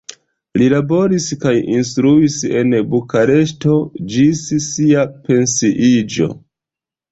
Li laboris kaj instruis en Bukareŝto ĝis sia pensiiĝo.